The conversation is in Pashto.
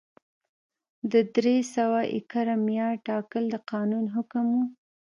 د درې سوه ایکره معیار ټاکل د قانون حکم و.